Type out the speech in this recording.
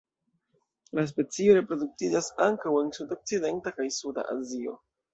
La specio reproduktiĝas ankaŭ en sudokcidenta kaj suda Azio.